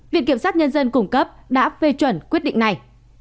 viện kiểm sát nhân dân cung cấp đã phê chuẩn quyết định này